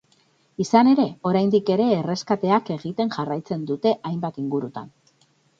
Izan ere, oraindik ere erreskateak egiten jarraitzen dute hainbat ingurutan.